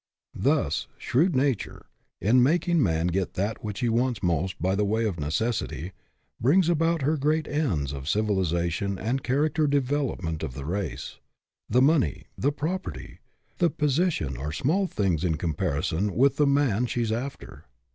Thus, shrewd Nature, in making man get that which he wants most by the way of neces sity, brings about her great ends of civilization and character development of the race. The money, the property, the position are small things in comparison with the man she is after.